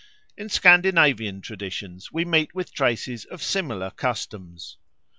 In Scandinavian tradition we meet with traces of similar customs.